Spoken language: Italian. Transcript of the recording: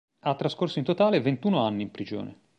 Ha trascorso in totale ventuno anni in prigione.